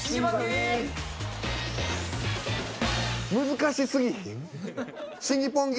難しすぎひん？